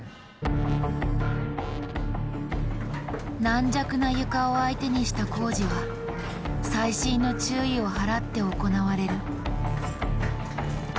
軟弱な床を相手にした工事は最新の注意を払って行われる。